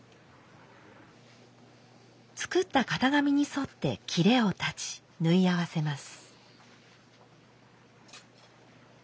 作った型紙にそって裂を裁ち縫い合わせます。